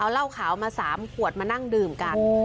เหล้าขาวมา๓ขวดมานั่งดื่มกัน